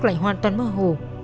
lại hoàn toàn mơ hồ